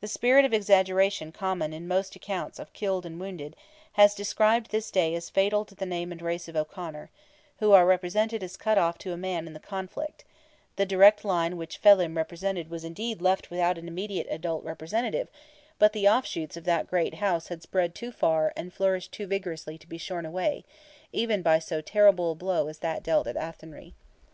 The spirit of exaggeration common in most accounts of killed and wounded, has described this day as fatal to the name and race of O'Conor, who are represented as cut off to a man in the conflict; the direct line which Felim represented was indeed left without an immediate adult representative; but the offshoots of that great house had spread too far and flourished too vigorously to be shorn away, even by so terrible a blow as that dealt at Athenry.